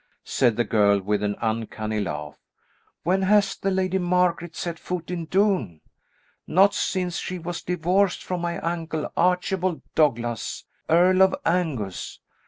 said the girl with an uncanny laugh. "When has the Lady Margaret set foot in Doune? Not since she was divorced from my uncle, Archibald Douglas, Earl of Angus!